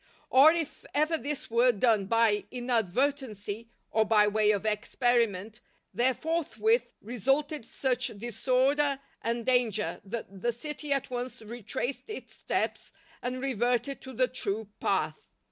Or if ever this were done by inadvertency, or by way of experiment, there forthwith resulted such disorder and danger, that the city at once retraced its steps and reverted to the true path.